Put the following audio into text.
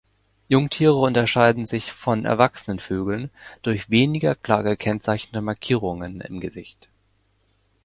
Jungtiere unterscheiden sich von erwachsenen Vögeln durch weniger klar gezeichnete Markierungen im Gesicht.